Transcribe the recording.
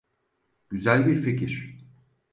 Güzel bir fikir.